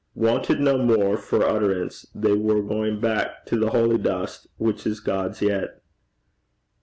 Wanted no more for utterance, they were going back to the holy dust, which is God's yet.